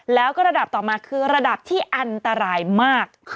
แล้วก็ระดับต่อมาคือระดับที่อันตรายมาก